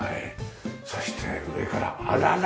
そして上からあららら。